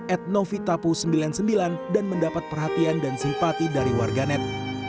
etnovitapu sembilan puluh sembilan dan mendapat perhatian dan simpati dari warganet